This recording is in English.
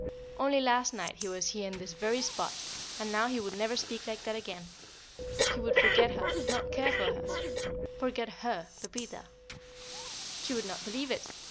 Only last night he was here in this very spot, and now he would never speak like that again. He would forget her, not care for her forget her, Pepita. She would not believe it.